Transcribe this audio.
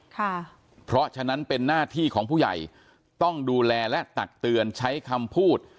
ค่ะเพราะฉะนั้นเป็นหน้าที่ของผู้ใหญ่ต้องดูแลและตักเตือนใช้คำพูด